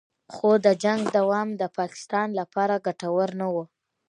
خو د جنګ دوام د پاکستان لپاره ګټور نه و